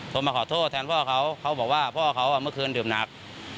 มาขอโทษแทนพ่อเขาเขาบอกว่าพ่อเขาเมื่อคืนดื่มหนัก